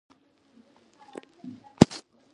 سرنزېب خان پۀ اردو او پښتو دواړو ژبو کښې